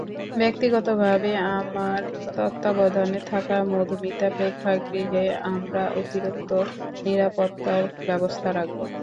ব্যক্তিগতভাবে আমার তত্ত্বাবধানে থাকা মধুমিতা প্রেক্ষাগৃহে আমরা অতিরিক্ত নিরাপত্তার ব্যবস্থা রাখব।